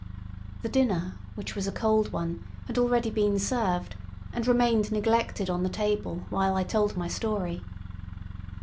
The dinner, which was a cold one, had already been served, and remained neglected on the table while I told my story.